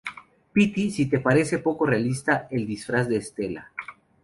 piti, si te parece poco realista el disfraz de Estela